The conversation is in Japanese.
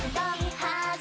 はい！